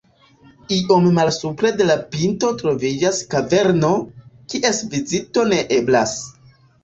Iom malsupre de la pinto troviĝas kaverno, kies vizito ne eblas.